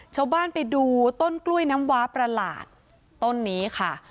ชาวบ้านไปดูต้นกล้วยน้ำว้าประหลาดต้นนี้ค่ะ